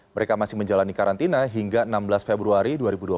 mereka masih menjalani karantina hingga enam belas februari dua ribu dua puluh